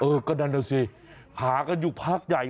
เออก็นั่นน่ะสิหากันอยู่พักใหญ่